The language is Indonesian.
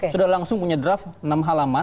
sudah langsung punya draft enam halaman